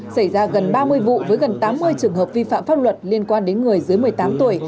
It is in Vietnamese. xảy ra gần ba mươi vụ với gần tám mươi trường hợp vi phạm pháp luật liên quan đến người dưới một mươi tám tuổi